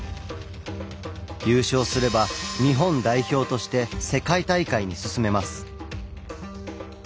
優勝すれば日本代表として世界大会に進めます。